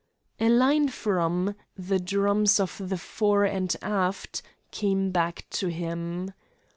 A line from "The Drums of the Fore and Aft" came back to him.